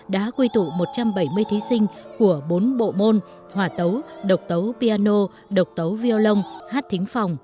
đã quy tụ một trăm bảy mươi thí sinh của bốn bộ môn hòa tấu độc tấu piano độc tấu violon hát thính phòng